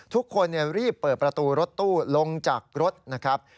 ทุกคนรีบเปิดประตูรถตู้ลงจากรถนะครับ